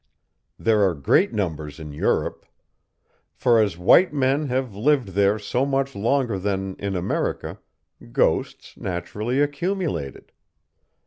There are great numbers in Europe; for as white men have lived there so much longer than in America, ghosts naturally accumulated.